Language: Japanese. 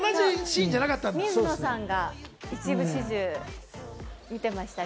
水野さんが一部始終、見てました。